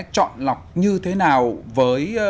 chọn lọc như thế nào với